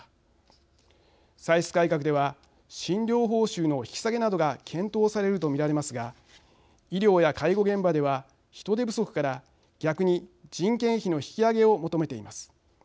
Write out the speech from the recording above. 歳出改革では診療報酬の引き下げなどが検討されると見られますが医療や介護現場では人出不足から逆に人件費の引き上げを求めています。